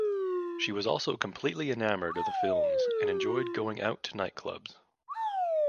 She was also completely enamored of the films and enjoyed going out to nightclubs.